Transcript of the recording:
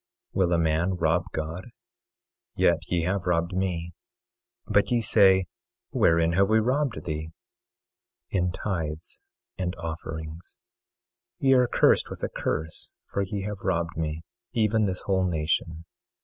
24:8 Will a man rob God? Yet ye have robbed me. But ye say: Wherein have we robbed thee? In tithes and offerings. 24:9 Ye are cursed with a curse, for ye have robbed me, even this whole nation.